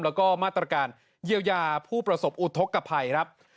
แล้วก็มาตรการเยียวยาผู้ประสบอุทธกภัยครับ